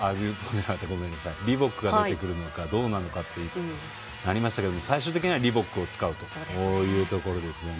リボックが出てくるのか、どうなのかとなりましたけれども最終的にはリボックを使うというところですよね。